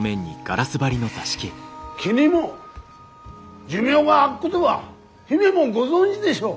木にも寿命があっこどは姫もご存じでしょう？